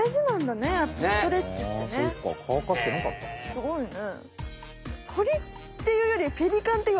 すごいね。